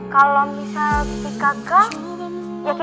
kalau misalnya kakak